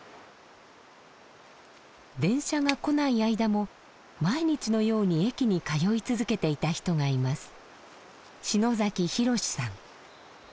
電車が来ない間も毎日のように駅に通い続けていた人がいます。